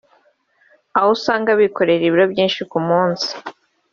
aho usanga bikorera ibiro byinshi ku munsi